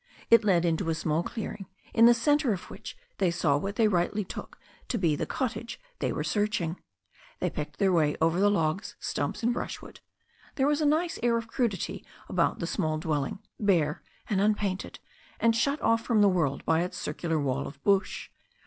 It led into a small clearing, in the centre of which they saw what they rightly took to be the cottage they were searching. They picked their way over the logs, stumps and brushwood. There was a nice air of crudity about the small dwelling, bare and unpainted, and shut off from the world by its circular wall of bush.